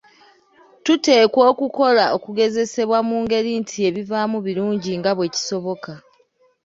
Tuteekwa okukola okugezesebwa mu ngeri nti ebivaamu birungi nga bwe kisoboka.